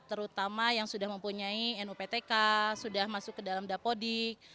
terutama yang sudah mempunyai nuptk sudah masuk ke dalam dapodik